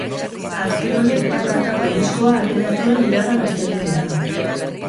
Azken honek bakarkako diskoa atera zuen iragan astelehenean.